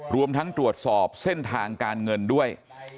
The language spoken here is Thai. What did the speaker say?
รวมทั้งตรวจสอบเส้นทางการเงินด้วย